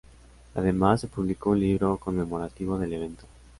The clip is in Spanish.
Además, se publicó un libro conmemorativo del evento.